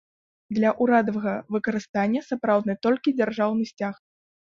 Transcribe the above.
Для ўрадавага выкарыстання сапраўдны толькі дзяржаўны сцяг.